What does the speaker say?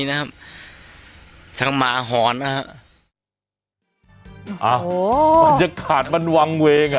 นะครับทั้งหมาหอนนะฮะอ้าวบรรยากาศมันวางเวงอ่ะ